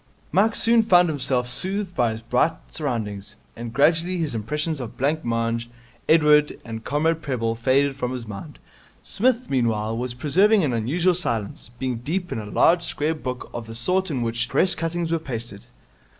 Mike soon found himself soothed by his bright surroundings, and gradually his impressions of blancmange, Edward, and Comrade Prebble faded from his mind. Psmith, meanwhile, was preserving an unusual silence, being deep in a large square book of the sort in which Press cuttings are pasted.